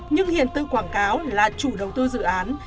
nhưng hiển tư quảng cáo là chủ đầu tư dự án